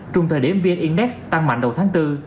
trong thời điểm vn index tăng mạnh đầu tháng bốn